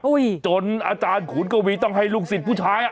จนอาจารย์ขุนกวีต้องให้ลูกศิษย์ผู้ชายอ่ะ